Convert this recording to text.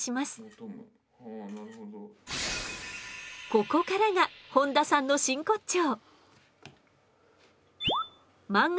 ここからが本多さんの真骨頂！